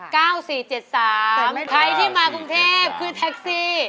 ใครที่มากรุงเทพคือแท็กซี่